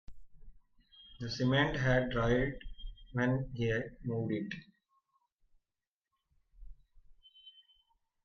The cement had dried when he moved it.